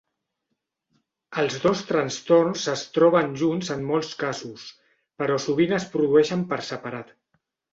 Els dos trastorns es troben junts en molts casos, però sovint es produeixen per separat.